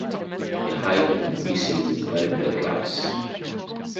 The height of the pieces is varied by class.